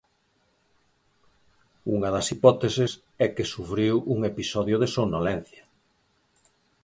Unha das hipóteses é que sufriu un episodio de somnolencia.